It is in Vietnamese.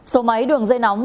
số máy đường dây nóng